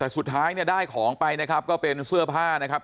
แต่สุดท้ายเนี่ยได้ของไปนะครับก็เป็นเสื้อผ้านะครับ